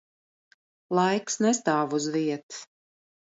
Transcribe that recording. Laiks nestāv uz vietas.